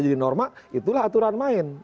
jadi norma itulah aturan main